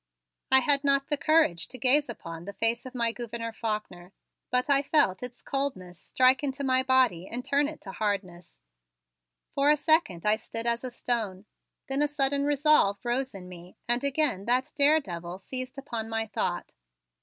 I had not the courage to gaze upon the face of my Gouverneur Faulkner, but I felt its coldness strike into my body and turn it to hardness. For a second I stood as a stone, then a sudden resolve rose in me and again that daredevil seized upon my thought.